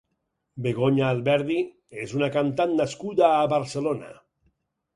Begoña Alberdi és una cantant nascuda a Barcelona.